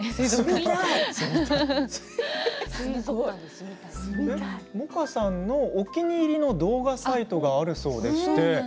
萌歌さんのお気に入りの動画サイトがあるそうです。